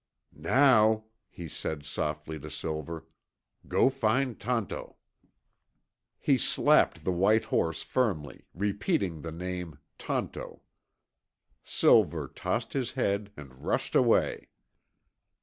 "Now," he said softly to Silver, "go find Tonto." He slapped the white horse firmly, repeating the name "Tonto." Silver tossed his head and rushed away.